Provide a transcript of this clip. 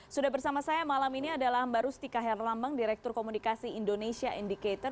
sudah bersama saya malam ini adalah mbak rustika herlambang direktur komunikasi indonesia indicator